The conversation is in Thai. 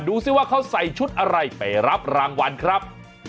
ซิว่าเขาใส่ชุดอะไรไปรับรางวัลครับ